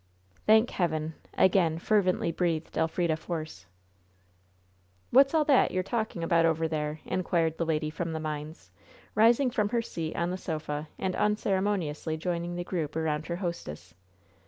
"Thank Heaven!" again fervently breathed Elfrida Force. "What's all that you're talking about over there?" inquired the lady from the mines, rising from her seat on the sofa and unceremoniously joining the group around her hostess.